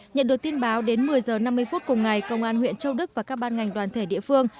nhận được tin báo đến một mươi h năm mươi phút cùng ngày công an huyện châu đức và các ban ngành đoàn thể địa phương